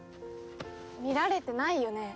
見られてないよね？